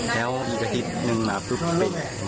แล้วอีกอาทิตย์หนึ่งมาปุ๊บเป็น